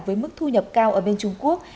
với mức thu nhập cao ở bên trung quốc